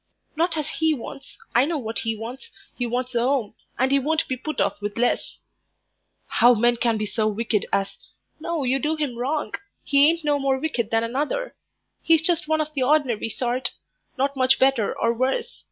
"Not as he wants. I know what he wants; he wants a 'ome, and he won't be put off with less." "How men can be so wicked as " "No, you do him wrong. He ain't no more wicked than another; he's just one of the ordinary sort not much better or worse.